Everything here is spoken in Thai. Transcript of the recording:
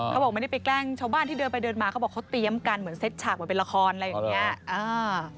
เขาบอกไม่ได้ไปแกล้งชาวบ้านที่เดินไปเดินมาเขาบอกเขาเตรียมกันเหมือนเซ็ตฉากเหมือนเป็นละครอะไรอย่างนี้